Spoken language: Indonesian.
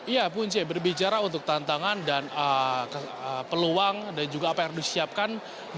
ya punce berbicara untuk tantangan dan peluang dan juga apa yang harus disiapkan